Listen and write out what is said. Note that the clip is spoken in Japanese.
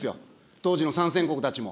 当時の参戦国たちも。